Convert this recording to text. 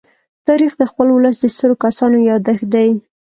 تاریخ د خپل ولس د سترو کسانو يادښت دی.